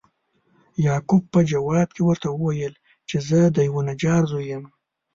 یعقوب په جواب کې ورته وویل چې زه د یوه نجار زوی یم.